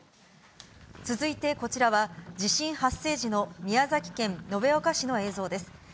続いてこちらは、地震発生時の宮崎県延岡市の映像です。